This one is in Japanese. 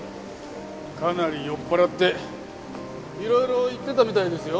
かなり酔っ払っていろいろ言ってたみたいですよ。